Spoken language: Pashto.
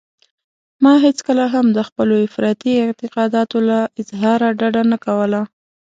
ما هېڅکله هم د خپلو افراطي اعتقاداتو له اظهاره ډډه نه کوله.